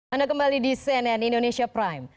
anda kembali di cnn indonesia prime